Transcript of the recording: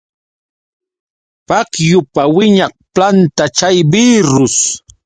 Pukyupa wiñaq planta chay birrus.